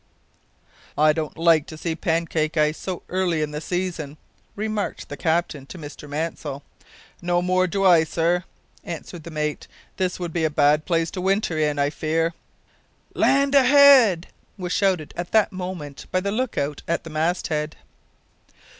"I don't like to see pancake ice so early in the season," remarked the captain to Mr Mansell. "No more do I, sir," answered the mate. "This would be a bad place to winter in, I fear." "Land ahead!" was shouted at that moment by the look out at the masthead.